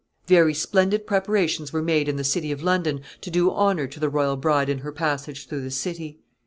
] Very splendid preparations were made in the city of London to do honor to the royal bride in her passage through the city.